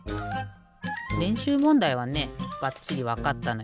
れんしゅうもんだいはねばっちりわかったのよ。